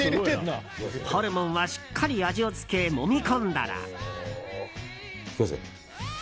ホルモンはしっかり味をつけもみ込んだら。